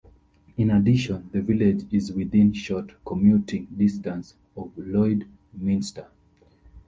In addition, the village is within short commuting distance of Lloydminster.